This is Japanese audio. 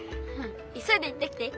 いそいで行ってきて！